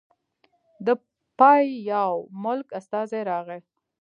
د پاياوي ملک استازی راغی